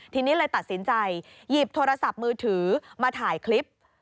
ทีนี้เลยตัดสินใจหยิบโทรศัพท์มือถือมาถ่ายคลิป